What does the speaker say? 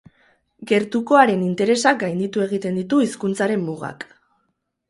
Gertukoaren interesak gainditu egiten ditu hizkuntzaren mugak.